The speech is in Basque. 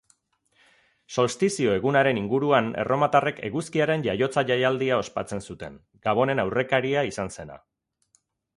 Solstizio egunaren inguruan erromatarrek eguzkiaren jaiotza jaialdia ospatzen zuten, gabonen aurrekaria izan zena.